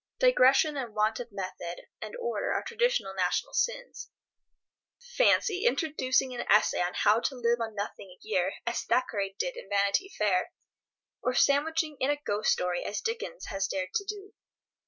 Digression and want of method and order are traditional national sins. Fancy introducing an essay on how to live on nothing a year as Thackeray did in "Vanity Fair," or sandwiching in a ghost story as Dickens has dared to do.